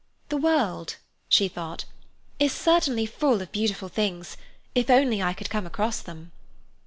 "The world," she thought, "is certainly full of beautiful things, if only I could come across them."